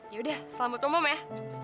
ya udah selamat pom pom ya